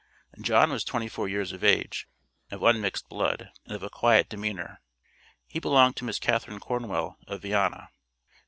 John was twenty four years of age, of unmixed blood, and of a quiet demeanour. He belonged to Miss Catharine Cornwell, of Viana.